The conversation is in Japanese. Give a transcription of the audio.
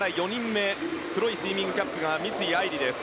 黒いスイミングキャップが三井愛梨です。